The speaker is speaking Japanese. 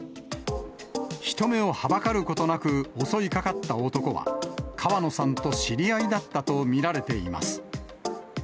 人目をはばかることなく襲いかかった男は、川野さんと知り合いだったと見られています。